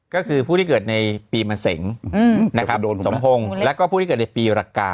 ก็คือผู้ที่เกิดในปีมะเสงสมพงษ์และก็ผู้ที่เกิดในปีรักกา